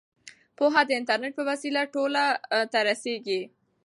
پوهه د انټرنیټ په وسیله ټولو ته رسیږي.